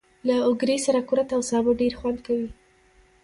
له اوگرې سره کورت او سابه ډېر خوند کوي.